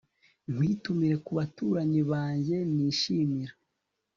nkwitumire ku baturanyi banjye nishimira